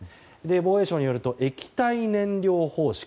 防衛省によると液体燃料方式。